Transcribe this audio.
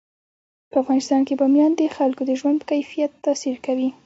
په افغانستان کې بامیان د خلکو د ژوند په کیفیت تاثیر کوي.